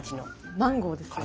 マンゴーですよね？